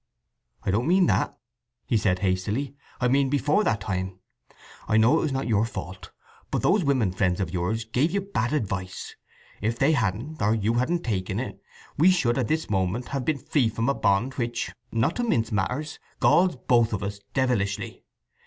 "I don't mean that," he said hastily. "I mean before that time. I know it was not your fault; but those women friends of yours gave you bad advice. If they hadn't, or you hadn't taken it, we should at this moment have been free from a bond which, not to mince matters, galls both of us devilishly.